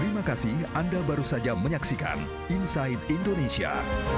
terima kasih anda baru saja menyaksikan inside indonesia